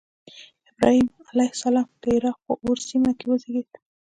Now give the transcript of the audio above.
ابراهیم علیه السلام د عراق په أور سیمه کې وزیږېد.